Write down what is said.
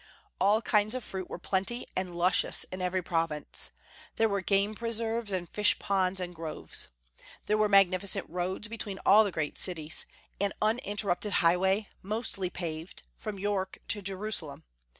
All kinds of fruit were plenty and luscious in every province. There were game preserves and fish ponds and groves. There were magnificent roads between all the great cities, an uninterrupted highway, mostly paved, from York to Jerusalem.